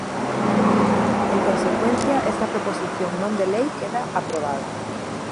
En consecuencia, esta proposición non de lei queda aprobada.